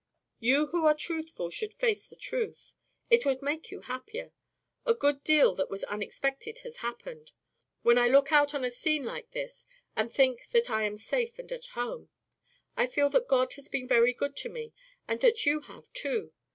"You who are truthful should face the truth. It would make you happier. A good deal that was unexpected has happened. When I look out on a scene like this and think that I am safe and at home, I feel that God has been very good to me and that you have, too.